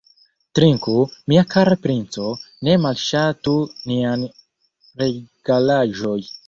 Trinku, mia kara princo, ne malŝatu nian regalaĵon!